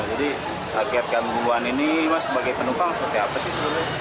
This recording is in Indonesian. jadi akibat gangguan ini mas sebagai penumpang seperti apa sih